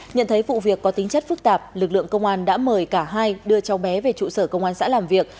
nhận thấy vụ việc có tính chất phức tạp lực lượng công an đã mời cả hai đưa cháu bé về trụ sở công an xã làm việc